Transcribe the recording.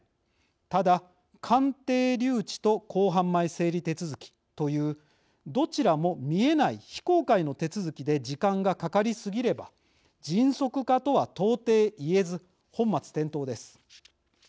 ただ鑑定留置と公判前整理手続きというどちらも見えない非公開の手続きで時間がかかりすぎれば迅速化とは到底言えず本末転倒です。